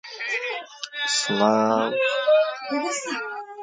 هەموو ڕۆژ میرجە لەبن دارێک چاوەنۆڕ بوو